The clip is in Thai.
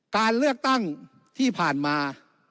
การเลือกตั้งที่ผ่านมา